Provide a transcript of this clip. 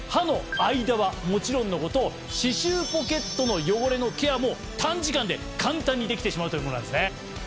歯周ポケットの汚れのケアも短時間で簡単にできてしまうというものなんですね。